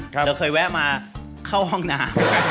เราเคยแวะมาเข้าห้องน้ำ